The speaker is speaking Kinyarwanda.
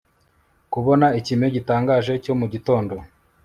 kubona ikime gitangaje cyo mu gitondo